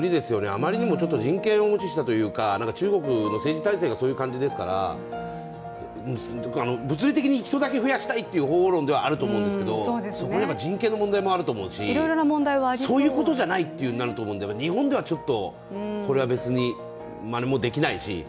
あまりにも人権を無視したというか中国の政治体制がそういう感じですから、物理的に人だけ増やしたいという方法論ではあると思うんですけどそこはやっぱり人権の問題があると思うんでそういうことじゃないってなると思うんだけど日本ではちょっと、これは別にまねもできないし。